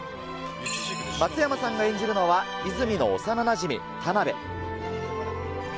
松山さんが演じるのは、泉の幼なじみ、田辺。